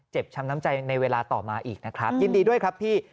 ช้ำน้ำใจในเวลาต่อมาอีกนะครับยินดีด้วยครับพี่